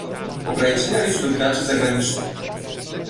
ograniczenia liczby graczy zagranicznych